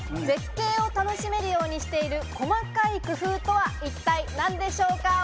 絶景を楽しめるようにしている細かい工夫とは一体何でしょうか？